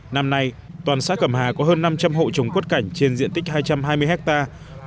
năm nay toàn xã cẩm hà có hơn năm trăm linh hộ trồng quất cảnh trên diện tích hai trăm hai mươi hectare